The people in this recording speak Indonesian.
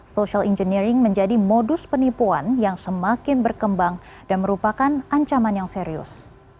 social engineering menjadi modus penipuan yang semakin berkembang dan merupakan ancaman yang serius